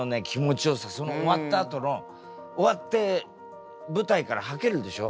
その終わったあとの終わって舞台からはけるでしょ？